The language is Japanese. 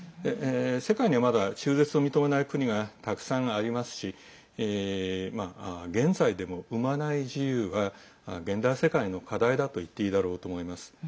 世界にはまだ中絶を認めない国がたくさんありますし現在でも産まない自由は現代世界の課題だといっていいと思います。